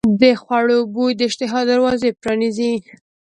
د خوړو بوی د اشتها دروازه پرانیزي.